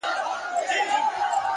اخلاص د باور ستنې ټینګوي.